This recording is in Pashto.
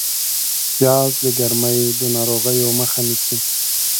پیاز د ګرمۍ د ناروغیو مخه نیسي